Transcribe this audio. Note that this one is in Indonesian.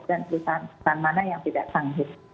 dan perusahaan perusahaan mana yang tidak sanggup